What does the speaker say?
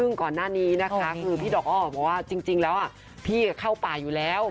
ซึ่งก่อนหน้านี้นะคะคือพี่ดอกอ้อบอกว่าจริงแล้วพี่เข้าป่าอยู่แล้ว